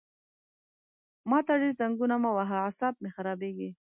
ما ته ډېر زنګونه مه وهه عصاب مې خرابېږي!